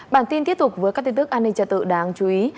bản tin tiếp tục với các tin tức an ninh trật tự đáng chú ý